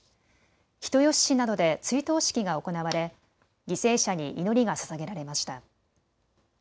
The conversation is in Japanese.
人吉市などで追悼式が行われ犠牲者に祈りがささげられました。